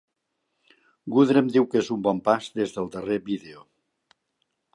Goodrem diu que és un bon pas des del darrer vídeo.